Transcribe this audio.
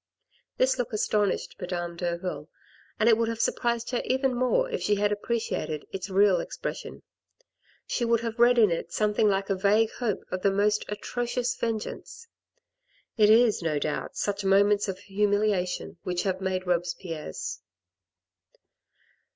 This look astonished Madame Derville, and it would have surprised her even more if she had appreciated its real ex pression ; she would have read in it something like a vague hope of the most atrocious vengeance. It is, no doubt, such moments of humiliation which have made Robespierres.